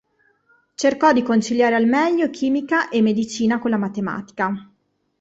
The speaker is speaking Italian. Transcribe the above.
Cercò di conciliare al meglio chimica e medicina con la matematica.